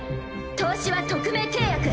投資は匿名契約。